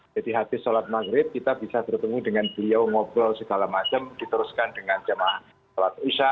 habis sholat maghrib kita bisa bertemu dengan beliau ngobrol segala macam diteruskan dengan jemaah sholat